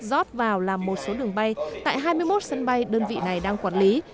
rót vào làm một số đường bay tại hai mươi một sân bay đơn vị này đang quản lý